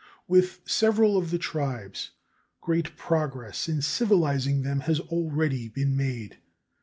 With several of the tribes great progress in civilizing them has already been made.